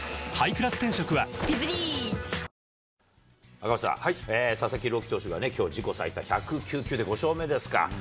赤星さん、佐々木朗希投手がきょう自己最多１０９球で５勝目ですか。